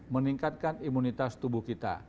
meningkatkan imunitas tubuh kita